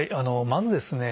まずですね